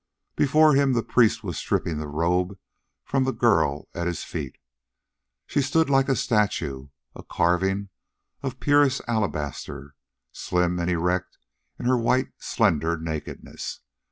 Before him the priest was stripping the robe from the girl at his feet. She stood like a statue, a carving of purest alabaster, slim and erect in her white, slender nakedness.